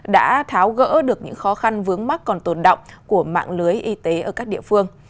đã tháo gỡ được những khó khăn vướng mắt còn tồn động của mạng lưới y tế ở các địa phương